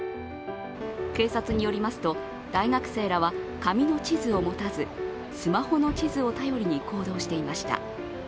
警察によりますと大学生らは紙の地図を持たず、スマホの地図を頼りに行動していました。